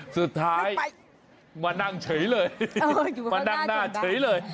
สุดท้ายมานั่งเฉยเลยมานั่งหน้าเฉยเลย